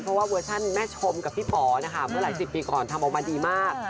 เพราะว่าเวอร์ชั่นแม่ชมกับพี่ป๋อนะคะเมื่อหลายสิบปีก่อนทำออกมาดีมาก